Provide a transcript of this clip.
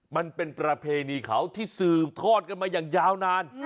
มันเป็นประเพณีเขาที่สืบทอดกันมาอย่างยาวนาน